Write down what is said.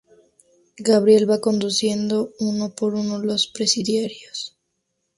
Gabriel va conociendo uno por uno a los presidiarios.